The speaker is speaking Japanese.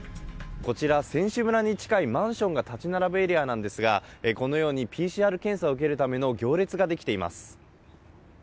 こちら、選手村に近い、マンションが建ち並ぶエリアなんですが、このようにＰＣＲ検査を受けるための行列が出来ています。